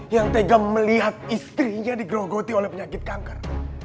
yang tega melihat istrinya digerogoti oleh penyakit kanker